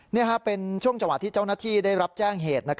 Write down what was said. นี่เป็นช่วงจังหวะที่เจ้าหน้าที่ได้รับแจ้งเหตุ